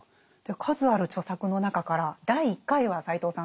数ある著作の中から第１回は斎藤さん